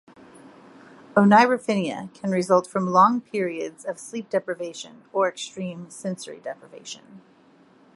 Oneirophrenia can result from long periods of sleep deprivation or extreme sensory deprivation.